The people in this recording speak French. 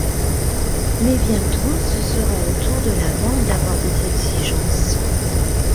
Mais bientôt, ce sera au tour de l'amant d'avoir des exigences…